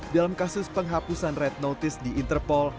dalam kasus penghapusan red notice di interpol